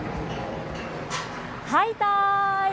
はいたーい。